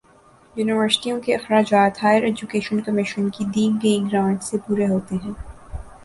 یونیورسٹیوں کے اخراجات ہائیر ایجوکیشن کمیشن کی دی گئی گرانٹ سے پورے ہوتے ہیں